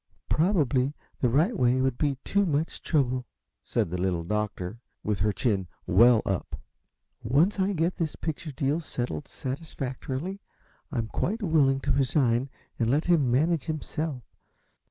"Probably the right way would be too much trouble," said the Little Doctor, with her chin well up. "Once I get this picture deal settled satisfactorily, I'm quite willing to resign and let him manage himself.